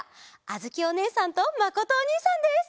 あづきおねえさんとまことおにいさんです。